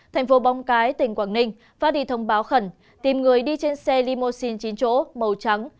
thành phố móng cái tỉnh quảng ninh phát đi thông báo khẩn tìm người đi trên xe limousine chín chỗ màu trắng